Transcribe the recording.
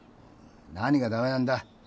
何が駄目なんだ？